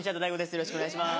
よろしくお願いします。